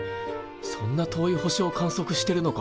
そんな遠い星を観測してるのか。